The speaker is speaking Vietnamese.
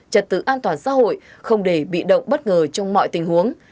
trật tự an toàn xã hội không để bị động bất ngờ trong mọi tình huống